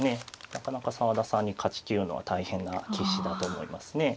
なかなか澤田さんに勝ちきるのは大変な棋士だと思いますね。